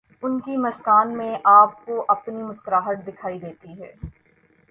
ان کی مسکان میں آپ کو اپنی مسکراہٹ دکھائی دیتی ہے۔